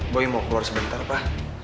boy mau keluar sebentar pak